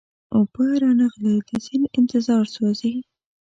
اوبه را نغلې د سیند انتظار سوزي